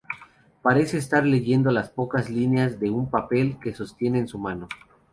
Parece estar leyendo las pocas líneas de un papel que sostiene en su mano.